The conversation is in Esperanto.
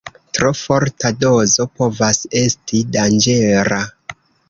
Tro forta dozo povas esti danĝera.